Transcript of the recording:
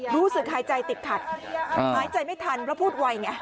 รู้สึกหายใจติดขัดหายใจไม่ทันเพราะพูดไวไง